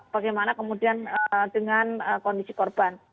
bagaimana kemudian dengan kondisi korban